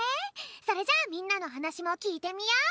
それじゃあみんなのはなしもきいてみよう！